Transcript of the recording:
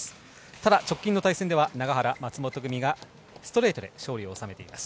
ただ、直近の対戦では永原、松本組がストレートで勝利を収めています。